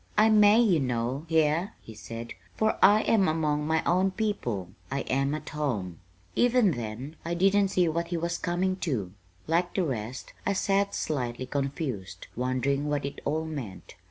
"I may, you know, here," he said, "for I am among my own people. I am at home." Even then I didn't see what he was coming to. Like the rest I sat slightly confused, wondering what it all meant.